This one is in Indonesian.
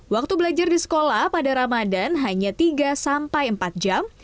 waktu belajar di sekolah pada ramadan hanya tiga sampai empat jam